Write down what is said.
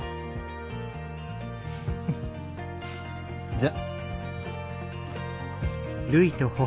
じゃ。